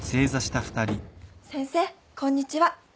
先生こんにちは。